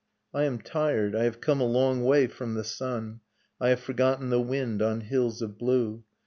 I am tired, I have come a long way from the sun, I have forgotten the wind on hills of blue.